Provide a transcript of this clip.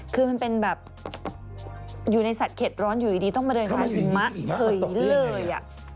คือมันเป็นแบบอยู่ในสัตว์เข็ดร้อนอยู่ดีต้องมาเดินทางหิมะเฉยเลย